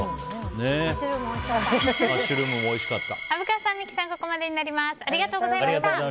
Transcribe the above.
マッシュルームもおいしかった。